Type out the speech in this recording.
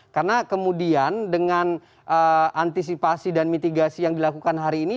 karena kemudian dengan antisipasi dan mitigasi yang dilakukan hari ini